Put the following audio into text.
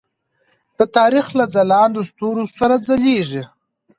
د تاریخ له ځلاندو ستورو سره ځلیږي.